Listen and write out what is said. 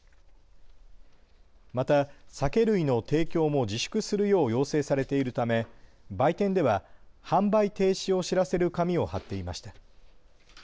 また、酒類の提供も自粛するよう要請されているため売店では販売停止を知らせる紙を貼っていました。